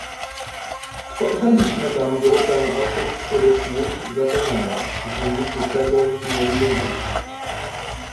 Spotkaliśmy tam grupę osób, których łódź zatonęła, w wyniku czego zginęli ludzie